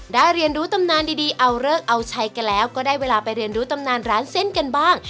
เรียนรู้ตำนานดีเอาเลิกเอาใช้กันแล้วก็ได้เวลาไปเรียนรู้ตำนานร้านเส้นกันบ้าง